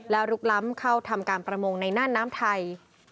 และลุกล้ำเข้าทำการประมงในหน้าน้ำไทย